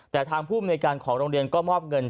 แต่ทางภูมิในการของโรงเรียนก็มอบเงิน